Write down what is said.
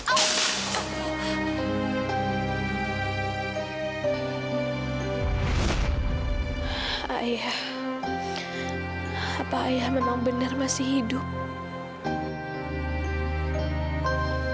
apa ayah apa ayah memang benar masih hidup